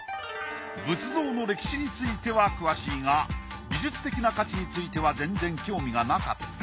仏像の歴史については詳しいが美術的な価値については全然興味がなかった。